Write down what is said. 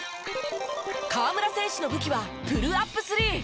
河村選手の武器はプルアップスリー。